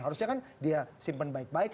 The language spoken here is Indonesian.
harusnya kan dia simpan baik baik